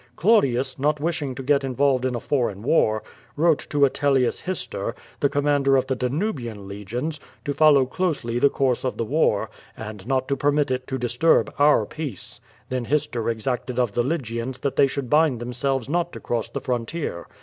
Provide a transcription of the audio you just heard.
Claudius, not wisli ing to get involved in a foreign war, wrote to Atelius Hister, the commander of the Danubian legions, to follow closely th3 course of the war, and not to permit it to disturb our peace. Then Ilistcr exacted of the Lygians that they should bind themselves not to cross the frontier.